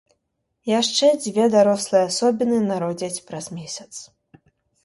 Яшчэ дзве дарослыя асобіны народзяць праз месяц.